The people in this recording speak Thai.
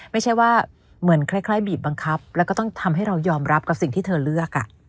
ไม่ใช่ว่าเหมือนคล้ายบีบบังคับแล้วก็ต้องทำให้เรายอมรับกับสิ่งที่เธอเลือก